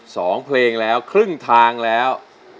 สองเพลงแล้วครึ่งทางแล้ว